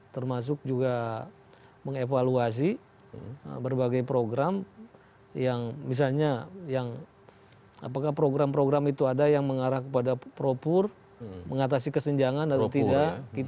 termasuk juga mengevaluasi berbagai program yang misalnya yang apakah program program itu ada yang mengarah kepada propur mengatasi kesenjangan atau tidak